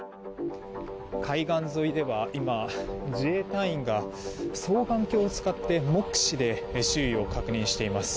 海岸沿いでは今、自衛隊員が双眼鏡を使って目視で周囲を確認しています。